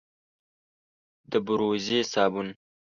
د بوروزې صابون،